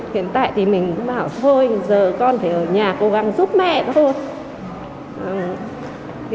hiện tại thì mình cũng bảo thôi giờ con phải ở nhà cố gắng giúp mẹ nữa thôi